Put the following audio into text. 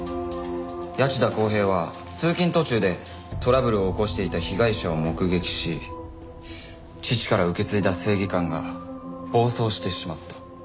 谷内田康平は通勤途中でトラブルを起こしていた被害者を目撃し父から受け継いだ正義感が暴走してしまった。